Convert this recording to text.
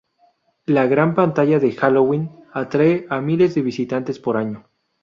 La gran pantalla de "Halloween" atrae a miles de visitantes por año.